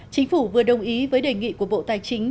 chính phủ vừa đồng ý với đề nghị của bộ tài chính